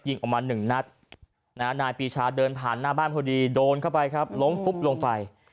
ออกมาหนึ่งนัดนายปีชาเดินผ่านหน้าบ้านพอดีโดนเข้าไปครับล้มฟุบลงไป